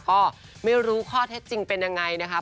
ก็ไม่รู้ข้อเท็จจริงเป็นยังไงนะครับ